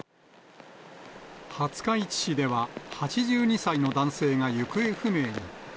廿日市市では８２歳の男性が行方不明に。